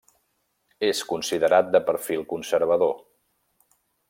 És considerat de perfil conservador.